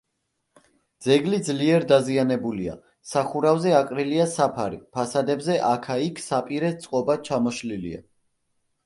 ძეგლი ძლიერ დაზიანებულია: სახურავზე აყრილია საფარი; ფასადებზე აქა-იქ საპირე წყობა ჩამოშლილია.